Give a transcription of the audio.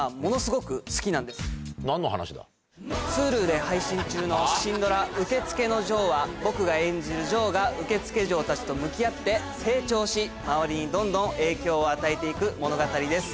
Ｈｕｌｕで配信中のシンドラ『受付のジョー』は僕が演じる城が受付嬢たちと向き合って成長し周りにどんどん影響を与えて行く物語です。